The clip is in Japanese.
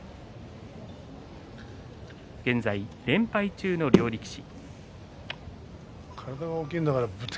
現在、連敗中の両力士。